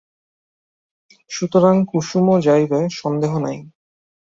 সুতরাং কুসুমও যাইবে সন্দেহ নাই।